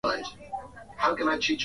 Waziri Mkuu wa muda Abdulhamid Dbeibah